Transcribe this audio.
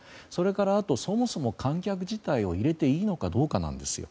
あと、そもそも観客自体を入れていいのかどうかなんですよ。